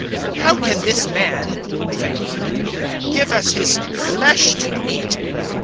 "How can this man," they argued, "give us his flesh to eat?"